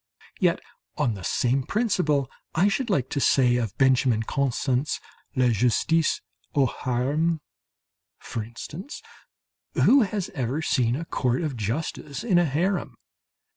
Yet on the same principle I should like to say of Benjamin Constant's "La Justice au Harem," for instance, who has ever seen a court of justice in a harem?